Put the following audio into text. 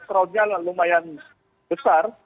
crowdnya lumayan besar